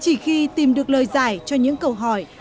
chỉ khi tìm được lời giải cho những câu hỏi